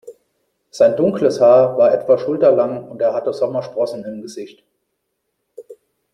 Sein dunkles Haar war etwa schulterlang und er hatte Sommersprossen im Gesicht.